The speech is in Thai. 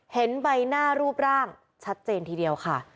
เห็นใบหน้ารูปร่างชัดเจนทีเดียวค่ะ